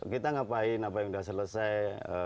kita ngapain apa yang sudah selesai